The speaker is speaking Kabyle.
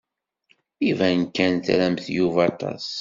Iban kan tramt Yuba aṭas.